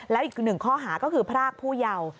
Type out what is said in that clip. แล้วอีกหนึ่งข้อหาก็คือพรากผู้เยาว์